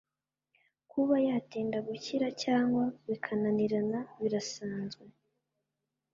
Kuba yatinda gukira cyangwa bikananirana birasanzwe